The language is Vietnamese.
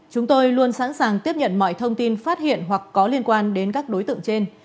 chúng tôi luôn sẵn sàng tiếp nhận mọi thông tin phát hiện hoặc có liên quan đến các đối tượng trên